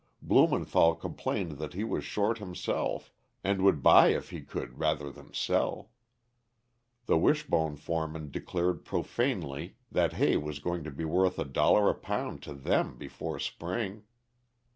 Blumenthall complained that he was short, himself, and would buy if he could, rather than sell. The Wishbone foreman declared profanely that hay was going to be worth a dollar a pound to them, before spring.